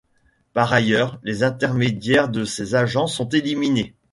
Par ailleurs, les intermédiaires de ces agents sont éliminés.